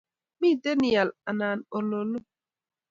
miten ial anan ololo